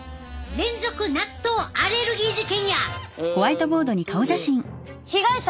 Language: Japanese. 連続納豆アレルギー事件。